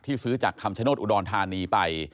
ซื้อจากคำชโนธอุดรธานีไป